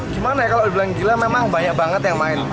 gimana ya kalau dibilang gila memang banyak banget yang main